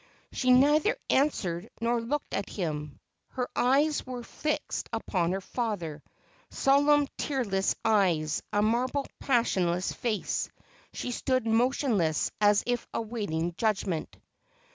She neither answered nor looked at him. Her eyes were fixed upon her father — solemn tearless eyes, a marble passion less face — she stood motionless, as if awaiting judgment.